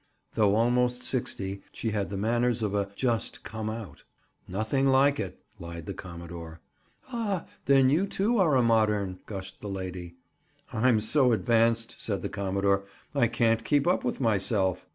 Though almost sixty, she had the manners of a "just come out." "Nothing like it," lied the commodore. "Ah, then you, too, are a modern?" gushed the lady. "I'm so advanced," said the commodore, "I can't keep up with myself."